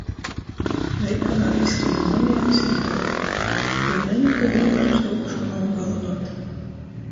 Veikalā īskrīn maniaks i bļaun... Tiuleņ pa vīnam suokšu nūgalynuot.